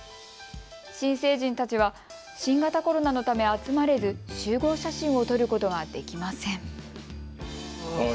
新成人たちは新型コロナのため集まれず集合写真を撮ることができません。